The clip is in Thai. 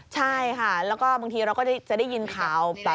ใช่ค่ะแล้วก็บางทีเราก็จะได้ยินข่าว